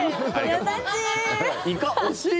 優しい！